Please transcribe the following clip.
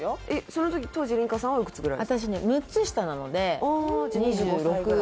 その時当時梨花さんはおいくつぐらい？